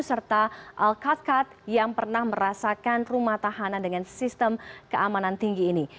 serta al kat kat yang pernah merasakan rumah tahanan dengan sistem keamanan tinggi ini